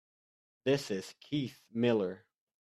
This is Keith Miller.